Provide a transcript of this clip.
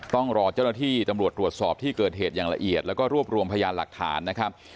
ต้องรอเจ้าหน้าที่ตำรวจตรวจสอบที่เกิดเหตุอย่างละเอียดแล้วก็รวบรวมพยานหลักฐานนะครับ